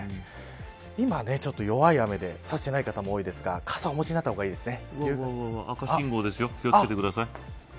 今、ちょっと弱い雨で差していない方も多いですが傘をお持ちになった方が赤信号ですよ。